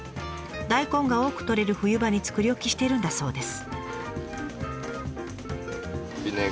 大根が多くとれる冬場に作り置きしているんだそうです。